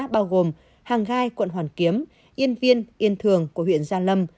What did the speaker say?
bao gồm hàng gai quận hoàn kiếm yên viên yên thường của huyện gia lâm